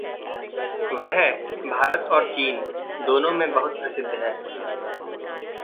वह भारत और चीन दोनो में बहुत प्रसिद्ध है।